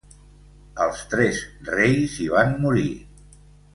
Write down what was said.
Els tres reis hi van morir.